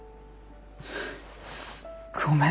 ごめん。